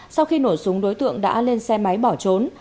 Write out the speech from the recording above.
sau khi nổ súng đối tượng đã lên xe máy bỏ trốn